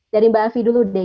jadi mbak afi dulu deh